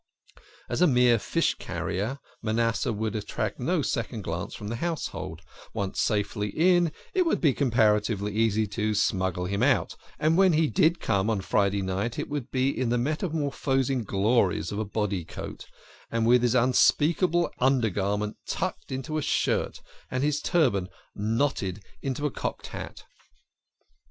As a mere fish carrier Manasseh would attract no second glance from the household ; once safely in, it would be comparatively easy to smuggle him out, and when he did come on Friday night it would be in the meta morphosing glories of a body coat, with his unspeakable undergarment turned into a shirt and his turban knocked into a cocked hat.